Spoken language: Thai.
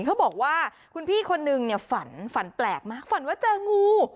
เขาบอกว่าคุณพี่คนนึงเนี่ยฝันฝันแปลกมากฝันว่าเจองู